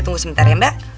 tunggu sementara ya mbak